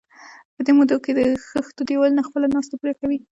په دې موده کې د خښتو دېوالونه خپله ناسته پوره کوي.